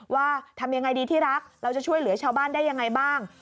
ว่าทำยังไงดีที่รักเราจะช่วยเหลือชาวบ้านได้ยังไงบ้าง